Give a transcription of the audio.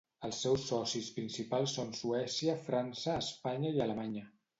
Els seus socis principals són Suècia, França, Espanya i Alemanya.